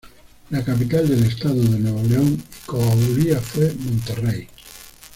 La Capital del Estado de Nuevo León y Coahuila fue Monterrey.